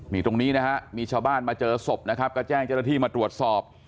นี่ตรงนี้นะฮะมีชาวบ้านมาเจอศพนะครับก็แจ้งเจ้าหน้าที่มาตรวจสอบ